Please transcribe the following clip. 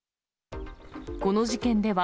この事件では、